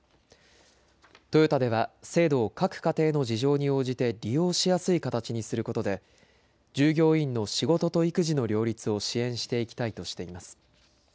トヨタでは制度を各家庭の事情に応じて利用しやすい形にすることで従業員の仕事と育児の両立を支援していきたいとしています。